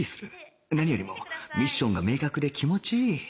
何よりもミッションが明確で気持ちいい